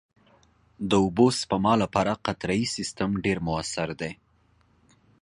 د اوبو سپما لپاره قطرهيي سیستم ډېر مؤثر دی.